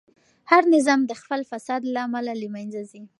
هر نظام د خپل فساد له امله له منځه ځي.